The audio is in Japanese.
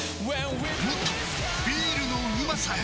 もっとビールのうまさへ！